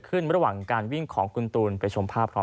ระหว่างการวิ่งของคุณตูนไปชมภาพพร้อม